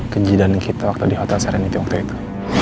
kejidan kita waktu di hotel sareniti waktu itu